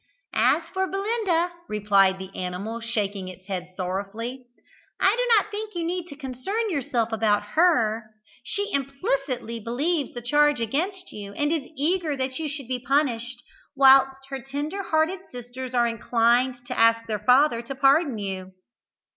"As for Belinda," replied the animal, shaking its head sorrowfully, "I do not think you need concern yourself about her. She implicitly believes the charge against you, and is eager that you should be punished; whilst her tender hearted sisters are inclined to ask their father to pardon you."